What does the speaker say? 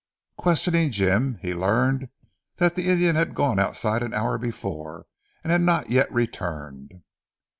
Questioning Jim, he learned that the Indian had gone outside an hour before and had not yet returned.